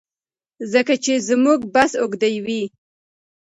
ځکه چي زموږ بحث اوږديوي